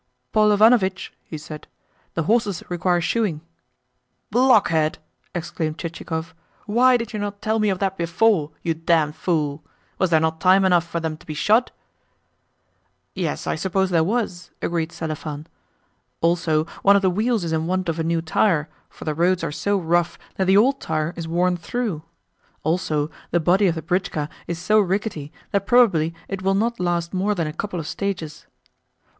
"Paul Ivanovitch," he said, "the horses require shoeing." "Blockhead!" exclaimed Chichikov. "Why did you not tell me of that before, you damned fool? Was there not time enough for them to be shod?" "Yes, I suppose there was," agreed Selifan. "Also one of the wheels is in want of a new tyre, for the roads are so rough that the old tyre is worn through. Also, the body of the britchka is so rickety that probably it will not last more than a couple of stages."